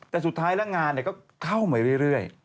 แต่สุดท้ายแล้วงานก็เข้ามาเรื่อย